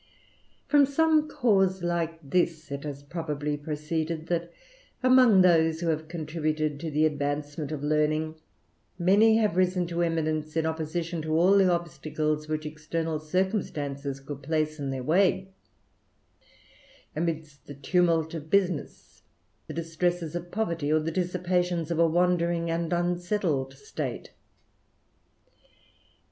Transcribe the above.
From some cause like this it has probably proceeded, that among those who have contributed to the advancement of learning, many have risen to eminence in opposition to all the obstacles which external circumstances could place in their way, amidst the tumult of business, the distresses of poverty, or the dissipations of a wandering and unsettled state.